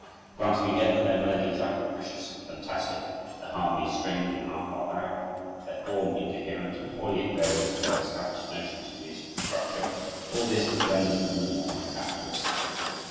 Granting again that their melodies are capricious and fantastic, their harmonies strange and half barbaric, their form incoherent and wholly at variance with our established notions of musical structure, all this but renders them the more characteristic.